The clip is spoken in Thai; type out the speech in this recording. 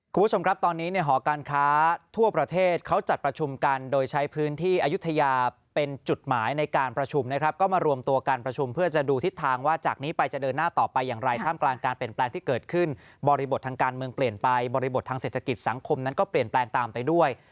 คุณผู้ชมครับตอนนี้เนี่ยหอการค้าทั่วประเทศเขาจัดประชุมกันโดยใช้พื้นที่อายุทยาเป็นจุดหมายในการประชุมนะครับก็มารวมตัวการประชุมเพื่อจะดูทิศทางว่าจากนี้ไปจะเดินหน้าต่อไปอย่างไรท่ามกลางการเปลี่ยนแปลงที่เกิดขึ้นบริบททางการเมืองเปลี่ยนไปบริบททางเศรษฐกิจสังคมนั้นก็เปลี่ยนแปลงตามไปด้วย